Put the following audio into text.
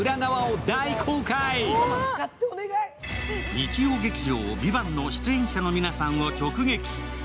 日曜劇場「ＶＩＶＡＮＴ」の出演者の皆さんを直撃。